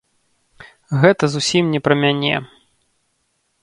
Гэта зусім не пра мяне.